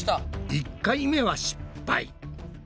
１回目は失敗。